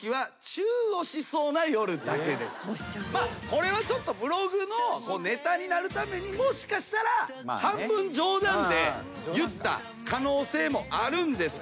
これはちょっとブログのネタになるためにもしかしたら半分冗談で言った可能性もあるんですけども。